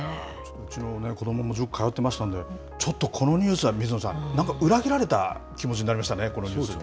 うちの子どもも塾通ってましたんで、ちょっとこのニュースは、水野さん、なんか裏切られた気持ちになりましたね、このニュース。